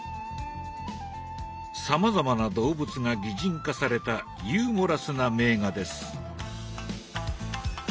さまざまな動物が擬人化されたユーモラスな名画です。